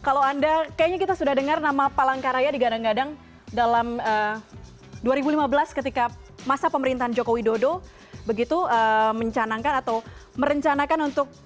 kalau anda kayaknya kita sudah dengar nama palangkaraya digadang gadang dalam dua ribu lima belas ketika masa pemerintahan joko widodo begitu mencanangkan atau merencanakan untuk